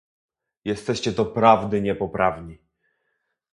Jesteście doprawdy niepoprawni